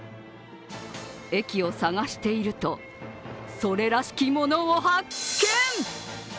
駅を探していると、それらしきものを発見！